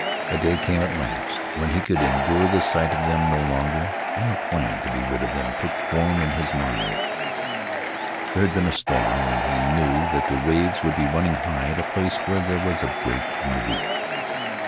A day came at last when he could endure the sight of them no longer, and a plan to be rid of them took form in his mind. 'There had been a storm and he knew that the waves would be running high at a place where there was a break in the reef.